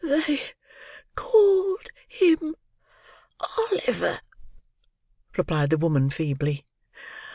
"They called him Oliver," replied the woman, feebly.